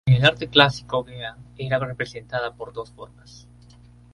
En el arte clásico Gea era representada de dos formas.